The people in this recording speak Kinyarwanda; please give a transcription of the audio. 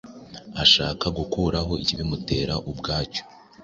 ashaka gukuraho ikibimutera ubwacyo